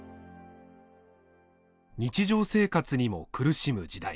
日常生活にも苦しむ時代。